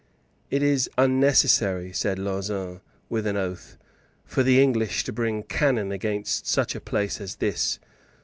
"It is unnecessary," said Lauzun, with an oath, "for the English to bring cannon against such a place as this.